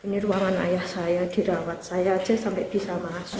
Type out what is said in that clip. ini ruangan ayah saya dirawat saya aja sampai bisa masuk